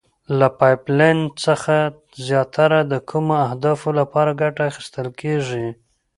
له پایپ لین څخه زیاتره د کومو اهدافو لپاره ګټه اخیستل کیږي؟